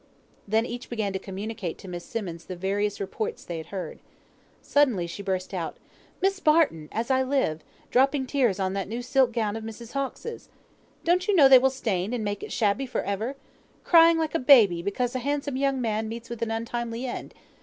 Then each began to communicate to Miss Simmonds the various reports they had heard. Suddenly she burst out "Miss Barton! as I live, dropping tears on that new silk gown of Mrs. Hawkes'! Don't you know they will stain, and make it shabby for ever? Crying like a baby, because a handsome young man meets with an untimely end.